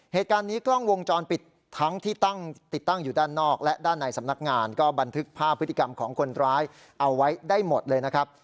เหตุการณ์นี้กล้องวงจรปิดทั้งที่ตั้งติดตั้งอยู่ด้านนอกและด้านในสำนักงานก็บันทึกภาพพฤติกรรมของคนร้ายเอาไว้ได้หมดเลยนะครับ